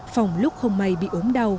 phòng lúc không may bị ốm đau